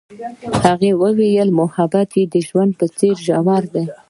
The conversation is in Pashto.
هغې وویل محبت یې د ژوند په څېر ژور دی.